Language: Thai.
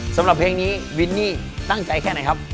สำหรับเพลงนี้วินนี่ตั้งใจแค่ไหนครับ